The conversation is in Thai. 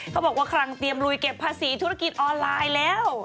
เขาบอกว่าครั้งเตรียมลุยเก็บภาษีธุรกิจออนไลน์แล้ว